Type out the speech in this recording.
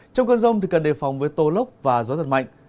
trong cơn rông thì cần đề phòng với tô lốc và gió thật mạnh